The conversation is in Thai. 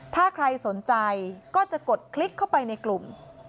ถ้าใครสนใจก็จะกดคลิกเข้าไปในกลุ่ม